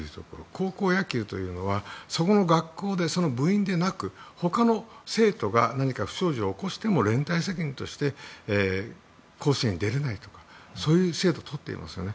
高校野球というのはそこの学校で、部員でなく他の生徒が何か不祥事を起こしても連帯責任として甲子園に出れないとかそういう制度をとってますよね。